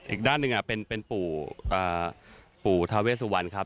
อีกด้านหนึ่งเป็นปู่ทาเวสุวรรณครับ